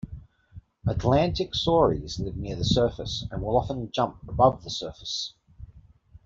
Atlantic sauries live near the surface, and will often jump above the surface.